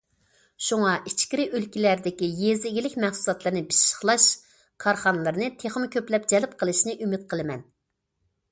شۇڭا ئىچكىرى ئۆلكىلەردىكى يېزا ئىگىلىك مەھسۇلاتلىرىنى پىششىقلاش كارخانىلىرىنى تېخىمۇ كۆپلەپ جەلپ قىلىشنى ئۈمىد قىلىمەن.